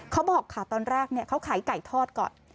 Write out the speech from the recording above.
เขาบอกค่ะตอนแรกเขาขายไก่ทอดก่อน